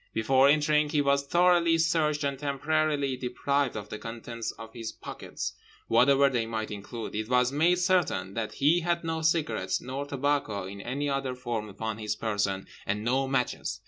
Before entering he was thoroughly searched and temporarily deprived of the contents of his pockets, whatever they might include. It was made certain that he had no cigarettes nor tobacco in any other form upon his person, and no matches.